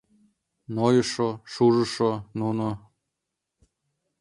Нойышо, шужышо, нуно